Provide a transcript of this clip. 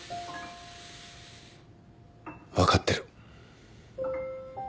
分かってる。